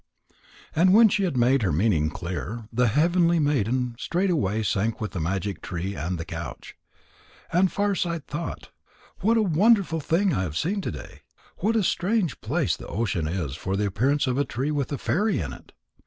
And when she had made her meaning clear, the heavenly maiden straightway sank with the magic tree and the couch. And Farsight thought: "What a wonderful thing I have seen to day! What a strange place the ocean is for the appearance of a tree with a fairy in it!